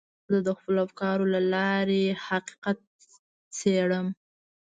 زه د خپلو افکارو له لارې حقیقت څېړم.